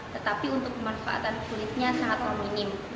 tetapi untuk pemanfaatan kulitnya sangat minim